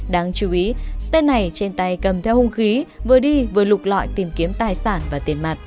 đáng chú ý tên này trên tay cầm theo hung khí vừa đi vừa lục lọi tìm kiếm tài sản